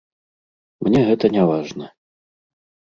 Мне гэта не важна.